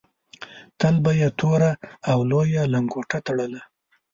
تل به یې توره او لویه لنګوټه تړله.